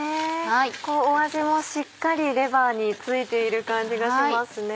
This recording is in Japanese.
味もしっかりレバーに付いている感じがしますね。